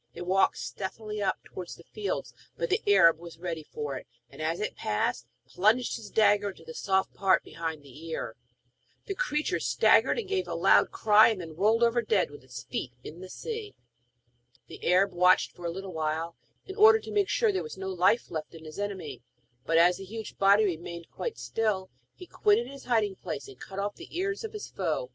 It walked stealthily up towards the fields, but the Arab was ready for it, and, as it passed, plunged his dagger into the soft part behind the ear. The creature staggered and gave a loud cry, and then rolled over dead, with its feet in the sea. The Arab watched for a little while, in order to make sure that there was no life left in his enemy, but as the huge body remained quite still, he quitted his hiding place, and cut off the ears of his foe.